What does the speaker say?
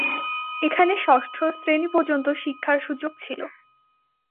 এখানে ষষ্ঠ শ্রেণি পর্যন্ত শিক্ষার সুযোগ ছিল।